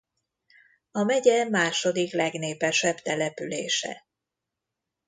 A megye második legnépesebb települése.